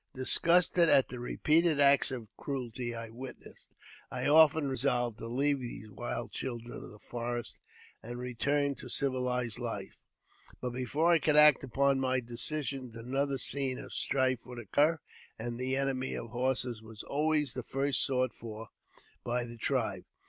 Disgusted at the repeated acts of cruelty I witnessed, I often resolved to leave these wild children of the forest and return to civilized life ; but before I could act upon my decision, another scene of strife would occur, and the Enemy of Horses was always the first sought for by the tribe.